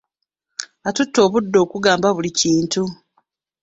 Atutte obudde okungamba buli kintu.